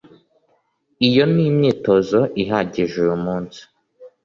Iyo ni imyitozo ihagije uyumunsi